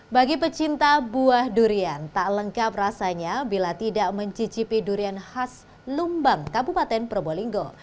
bagi pecinta buah durian tak lengkap rasanya bila tidak mencicipi durian khas lumbang kabupaten probolinggo